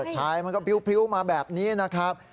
ชายมันก็พริ้วมาแบบนี้นะครับ